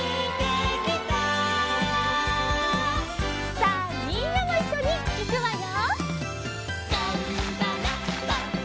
さあみんなもいっしょにいくわよ。